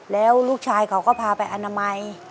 แล้วลูกชายเขาก็พาไปอนามัย